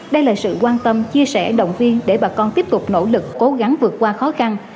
đây là sự quan tâm chia sẻ động viên để bà con tiếp tục nỗ lực cố gắng vượt qua khó khăn